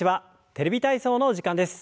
「テレビ体操」の時間です。